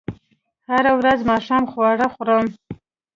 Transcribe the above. هره ورځ ماښام خواړه خورم